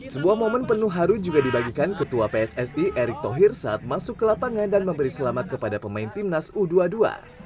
sebuah momen penuh haru juga dibagikan ketua pssi erick thohir saat masuk ke lapangan dan memberi selamat kepada pemain timnas u dua puluh dua